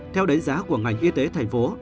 theo đánh giá của ngành y tế thành phố